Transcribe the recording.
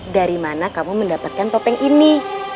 dari mana kamu mendapatkan topeng ini